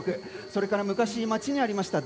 それから、昔、街にありました